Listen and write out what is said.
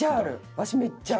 わしめっちゃある！